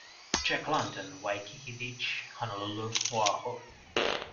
Jack London, Waikiki Beach, Honolulu, Oahu.